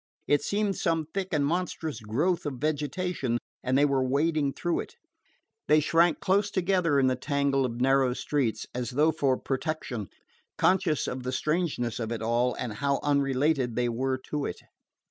It seemed some thick and monstrous growth of vegetation, and that they were wading through it. They shrank closely together in the tangle of narrow streets as though for protection, conscious of the strangeness of it all, and how unrelated they were to it.